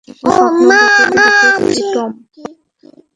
কিছু স্বপ্ন বুকে পুষে রেখেছি, টম!